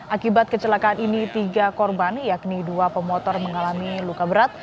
akibat kecelakaan ini tiga korban yakni dua pemotor mengalami luka berat